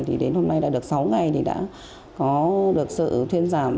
thì đến hôm nay đã được sáu ngày thì đã có được sự thuyên giảm